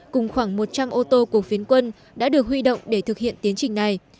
cùng khoảng một trăm linh ô tô của phiến quân đã được huy động để thực hiện tiến trình này